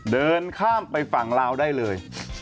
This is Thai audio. เดินข้ามไปฝั่งลาวได้เลย